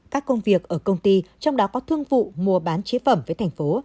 các công việc ở công ty trong đó có thương vụ mua bán chế phẩm với thành phố